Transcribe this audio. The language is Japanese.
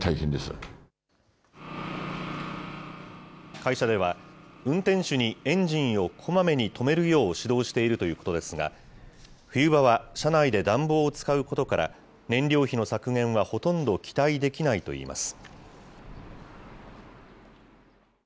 会社では、運転手にエンジンをこまめに止めるよう指導しているということですが、冬場は車内で暖房を使うことから、燃料費の削減はほとんど期待できないといいます。